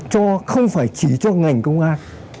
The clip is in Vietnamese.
cho không phải chỉ cho ngành công an